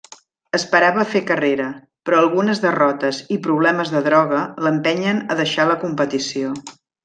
Esperava fer carrera, però algunes derrotes i problemes de droga l'empenyen a deixar la competició.